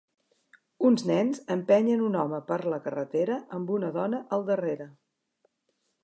Uns nens empenyen un home per la carretera amb una dona al darrere.